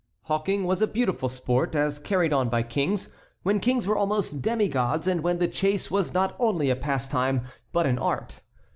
Hawking was a beautiful sport as carried on by kings, when kings were almost demi gods, and when the chase was not only a pastime but an art.